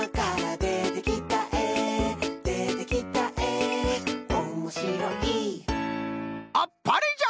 「でてきたえおもしろい」あっぱれじゃ！